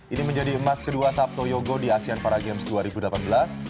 ini menjadi emas kedua sabto yogo di asean para games dua ribu delapan belas